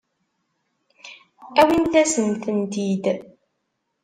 Awimt-asen-tent-id.